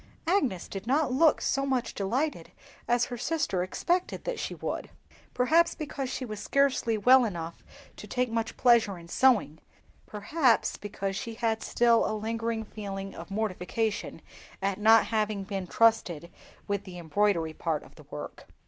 Agnes did not look so much delighted as her sister expected that she would; perhaps because she was scarcely well enough to take much pleasure in sewing; perhaps because she had still a lingering feeling of mortification at not having been trusted with the embroidery part of the work.